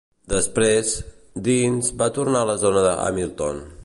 Després, Deans va tornar a la zona de Hamilton.